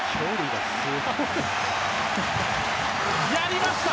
やりました！